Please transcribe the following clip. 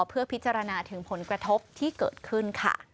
เพื่อพิจารณาถึงผลกระทบที่เกิดขึ้นค่ะ